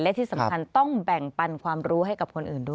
และที่สำคัญต้องแบ่งปันความรู้ให้กับคนอื่นด้วย